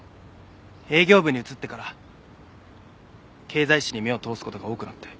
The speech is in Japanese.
営業部に移ってから経済誌に目を通す事が多くなって。